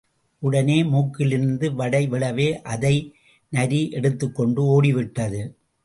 உடனே மூக்கிலிருந்த வடை விழவே—அதை நரி எடுத்துக்கொண்டு ஓடிவிட்டது.